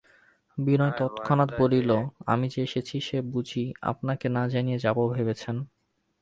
বিনয় তৎক্ষণাৎ বলিল, আমি যে এসেছি সে বুঝি আপনাকে না জানিয়ে যাব ভেবেছেন?